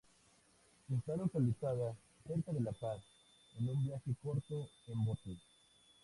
Está localizada cerca de La Paz en un viaje corto en bote.